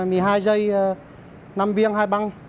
với nội dung một mươi hai giây năm viên hai băng